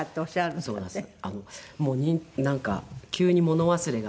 そうなんです。